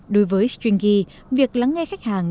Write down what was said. đối với stringy việc lắng nghe khách hàng